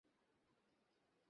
তুমি জানো এর মানে কী?